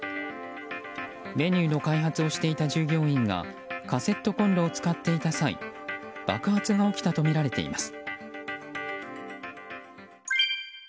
メニューの開発をしていた従業員がカセットコンロを使っていた際爆発が起きたとみられています。